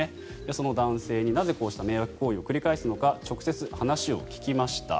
その男性になぜ、こうした迷惑行為を繰り返すのか直接話を聞きました。